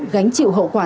gánh chịu hậu quả